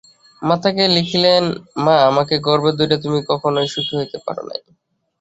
মাতাকে লিখিলেন, মা, আমাকে গর্ভে ধরিয়া তুমি কখনো সুখী হইতে পার নাই।